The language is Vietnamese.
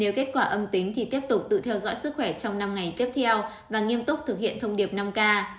nếu kết quả âm tính thì tiếp tục tự theo dõi sức khỏe trong năm ngày tiếp theo và nghiêm túc thực hiện thông điệp năm k